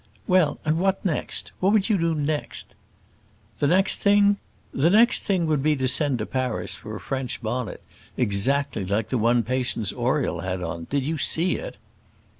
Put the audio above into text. "Well, and what next? what would you do next?" "The next thing the next thing would be to send to Paris for a French bonnet exactly like the one Patience Oriel had on. Did you see it?"